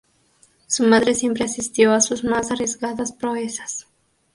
Su madre siempre asistió a sus más arriesgadas proezas.